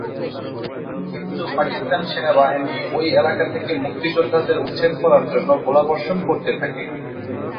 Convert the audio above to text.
কিন্তু পাকিস্তান সেনাবাহিনী ওই এলাকা থেকে মুক্তিযোদ্ধাদের উচ্ছেদ করার জন্য গোলাবর্ষণ করতে থাকে।